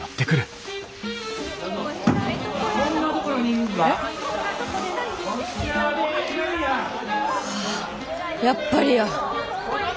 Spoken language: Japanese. ・うわやっぱりや。